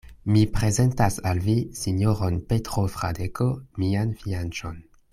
Mi prezentas al vi sinjoron Petro Fradeko, mian fianĉon.